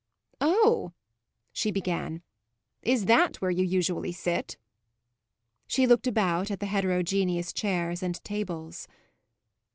"Oh," she began, "is that where you usually sit?" She looked about at the heterogeneous chairs and tables.